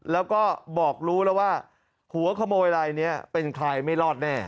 แล้วก็บอกรู้แล้วว่าหัวขโมยลายนี้เป็นใครไม่รอดแน่